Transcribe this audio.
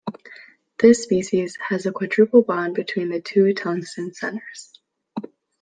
This species has a quadruple bond between the two tungsten centers.